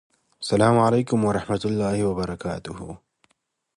سلام علیکم ورحمته الله وبرکاته